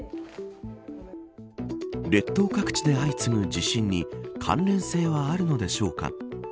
列島各地で相次ぐ地震に関連性はあるのでしょうか。